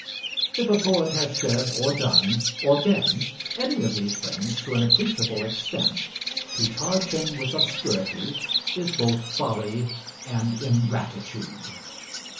If a poet has said, or done, or been any of these things to an appreciable extent, to charge him with obscurity is both folly and ingratitude.